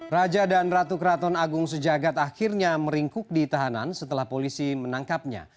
raja dan ratu keraton agung sejagat akhirnya meringkuk di tahanan setelah polisi menangkapnya